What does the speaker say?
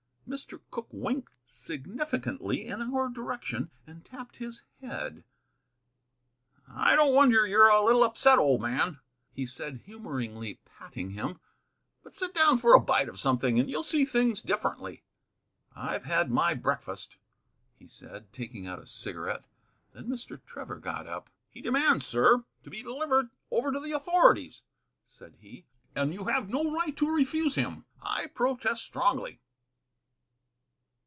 Mr. Cooke winked significantly in our direction and tapped his head. "I don't wonder you're a little upset, old man," he said, humoringly patting him; "but sit down for a bite of something, and you'll see things differently." "I've had my breakfast," he said, taking out a cigarette. Then Mr. Trevor got up. "He demands, sir, to be delivered over to the authorities," said he, "and you have no right to refuse him. I protest strongly."